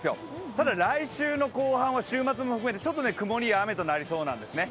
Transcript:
ただ来週の後半は週末にかけてちょっと曇りや雨となりそうなんですね。